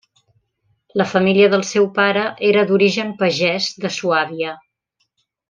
La família del seu pare era d'origen pagès de Suàbia.